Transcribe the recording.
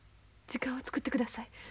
時間を作ってください。